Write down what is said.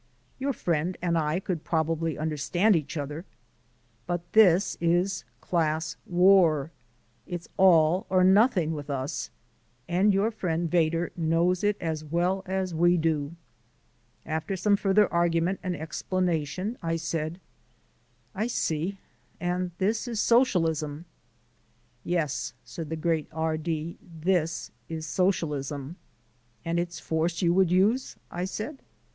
Your friend and I could probably understand each other but this is a class war. It's all or nothing with us, and your friend Vedder knows it as well as we do." After some further argument and explanation, I said: "I see: and this is Socialism." "Yes," said the great R D , "this is Socialism." "And it's force you would use," I said.